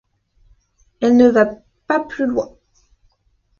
Elle ne va pas plus loin.